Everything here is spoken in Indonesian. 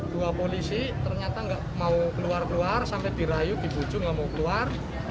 dua polisi ternyata tidak mau keluar keluar sampai dirayu dibucu tidak mau keluar